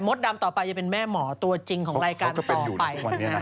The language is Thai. ดำต่อไปจะเป็นแม่หมอตัวจริงของรายการต่อไป